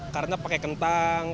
karena pakai kentang